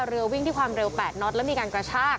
เรือวิ่งที่ความเร็ว๘น็อตแล้วมีการกระชาก